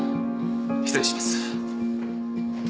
失礼します。